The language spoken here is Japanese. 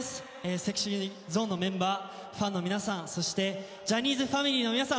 ＳｅｘｙＺｏｎｅのメンバーファンの皆さんそしてジャニーズファミリーの皆さん